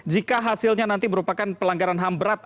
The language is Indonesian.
jika hasilnya nanti merupakan pelanggaran ham berat